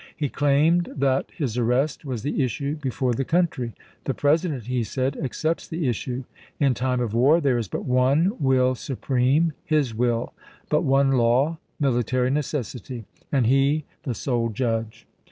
He claimed that his arrest was the issue before the country. " The President," he said, u accepts the issue. .. In time of war there is but one will supreme — his will; but one law — military necessity, and he the sole judge."